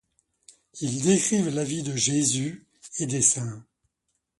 Ils décrivent la vie de Jésus et de saints.